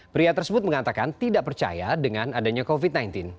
pria tersebut mengatakan tidak percaya dengan adanya covid sembilan belas